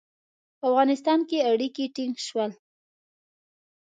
په افغانستان کې اړیکي ټینګ شول.